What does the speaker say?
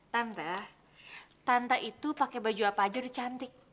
tante tante itu pakai baju apa aja udah cantik